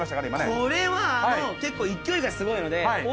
これは結構勢いがすごいので。